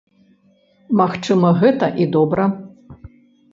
Магчыма, гэта і добра.